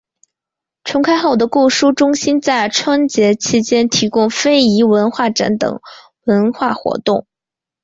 重开后的购书中心在春节期间提供非遗文化展等文化活动。